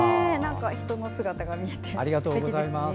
人の姿が見えてすてきですね。